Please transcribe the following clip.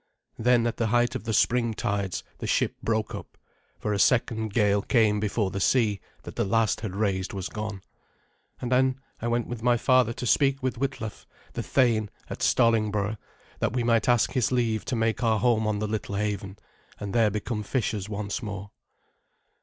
Then at the height of the spring tides the ship broke up, for a second gale came before the sea that the last had raised was gone. And then I went with my father to speak with Witlaf the thane at Stallingborough, that we might ask his leave to make our home on the little haven, and there become fishers once more.